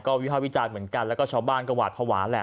วิภาควิจารณ์เหมือนกันแล้วก็ชาวบ้านก็หวาดภาวะแหละ